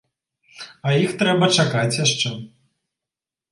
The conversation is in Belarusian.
А іх трэба чакаць яшчэ.